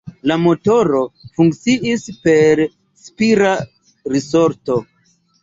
La motoro funkciis per spirala risorto.